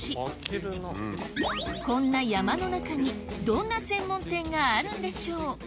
こんな山の中にどんな専門店があるんでしょう？